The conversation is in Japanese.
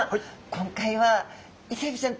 今回はイセエビちゃん